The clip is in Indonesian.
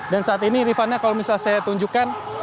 dan saat ini rifana kalau misalnya saya tunjukkan